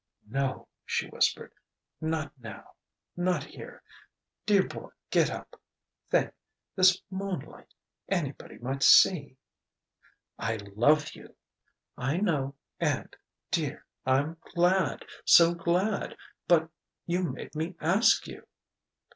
"No," she whispered "not now not here. Dear boy, get up! Think this moonlight anybody might see " "I love you!" "I know and, dear, I'm glad so glad! But you made me ask you!"